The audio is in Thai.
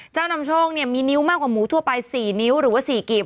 นำโชคมีนิ้วมากกว่าหมูทั่วไป๔นิ้วหรือว่า๔กีบ